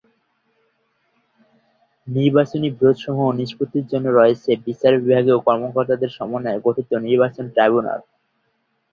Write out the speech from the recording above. নির্বাচনী বিরোধসমূহ নিষ্পত্তির জন্য রয়েছে বিচার বিভাগীয় কর্মকর্তাদের সমন্বয়ে গঠিত নির্বাচন ট্রাইব্যুনাল।